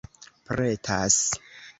pretas